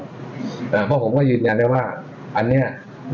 น่ะเพราะผมก็ยืนยันเลยว่าอันเนี้ยรู้หรอ